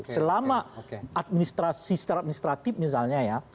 selama administrasi secara administratif misalnya ya